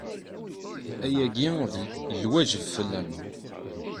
Ayagi d lwajeb fell-aneɣ.